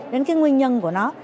đến cái nguyên nhân của nó